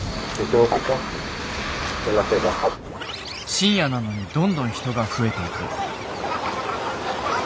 深夜なのにどんどん人が増えていく。